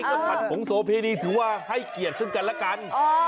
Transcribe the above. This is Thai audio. ก็ผัดผงโสเพนีถือว่าให้เกียรติขึ้นกันละกัน